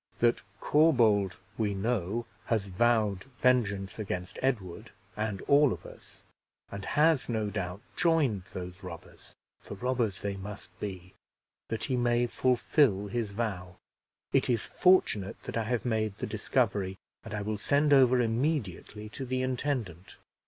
"That Corbould we know has vowed vengeance against Edward, and all of us; and has, no doubt, joined those robbers for robbers they must be that he may fulfill his vow. It is fortunate that I have made the discovery and I will send over immediately to the intendant."